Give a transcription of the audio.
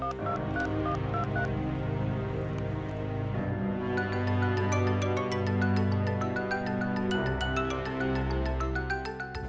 kamu sama dengan dia sama daun daun hindry